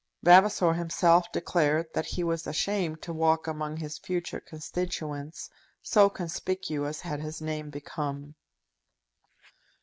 Vavasor himself declared that he was ashamed to walk among his future constituents, so conspicuous had his name become.